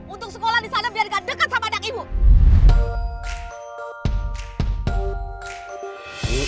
untuk sekolah disana biar gak dekat sama anak ibu